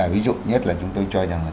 ví dụ nhất là chúng tôi cho rằng